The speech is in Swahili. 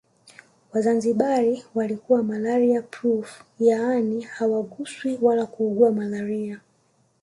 Wazanzibari walikuwa malaria proof yaani hawaguswi wala kuugua malaria